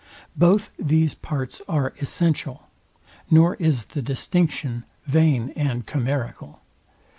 Both these parts are essential, nor is the distinction vain and chimerical.